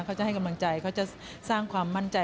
เขาจะให้กำลังใจเขาจะสร้างความมั่นใจ